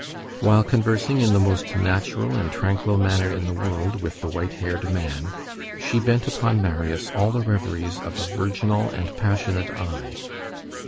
While conversing in the most natural and tranquil manner in the world with the white haired man, she bent upon Marius all the reveries of a virginal and passionate eye.